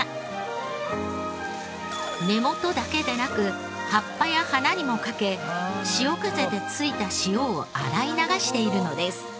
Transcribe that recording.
根元だけでなく葉っぱや花にもかけ潮風でついた塩を洗い流しているのです。